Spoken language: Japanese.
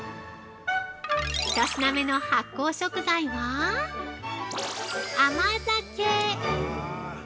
１品目の発酵食材は、甘酒。